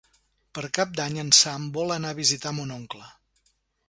Per Cap d'Any en Sam vol anar a visitar mon oncle.